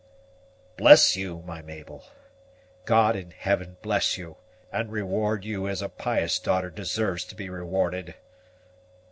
"Bless you, my Mabel! God in heaven bless you, and reward you as a pious daughter deserves to be rewarded!"